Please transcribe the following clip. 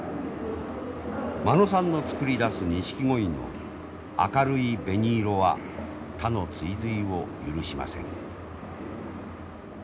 間野さんの作り出すニシキゴイの明るい紅色は他の追随を許しません。